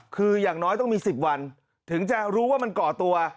คืออย่างน้อยต้องมี๑๐วันถึงจะรู้ว่ามันก่อตัว